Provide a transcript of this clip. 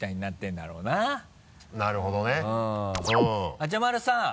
あちゃまるさん！